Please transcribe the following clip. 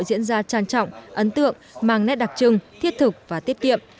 diễn ra trang trọng ấn tượng mang nét đặc trưng thiết thực và tiết kiệm